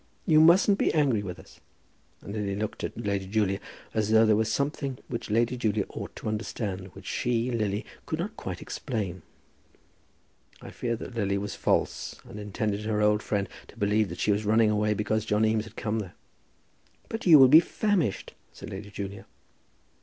You mustn't be angry with us." And Lily looked at Lady Julia, as though there were something which Lady Julia ought to understand, which she, Lily, could not quite explain. I fear that Lily was false, and intended her old friend to believe that she was running away because John Eames had come there. "But you will be famished," said Lady Julia.